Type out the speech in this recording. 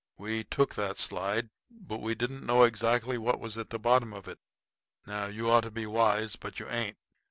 We've took that slide, but we didn't know exactly what was at the bottom of it. Now, you ought to be wise, but you ain't.